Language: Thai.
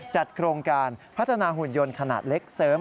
จัดโครงการพัฒนาหุ่นยนต์ขนาดเล็กเสริม